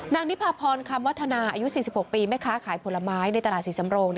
นิพาพรคำวัฒนาอายุ๔๖ปีแม่ค้าขายผลไม้ในตลาดศรีสำโรง